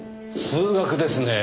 数学ですねぇ。